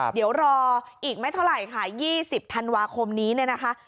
เดี๋ยวรออีกไม่เท่าไหร่ค่ะ๒๐ธันวาคมนี้เนี่ยนะคะ